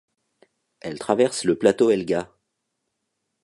Elle traverse le plateau Elga.